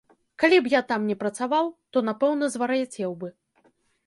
Калі б я там не працаваў, то, напэўна, звар'яцеў бы.